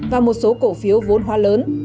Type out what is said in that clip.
và một số cổ phiếu vốn hóa lớn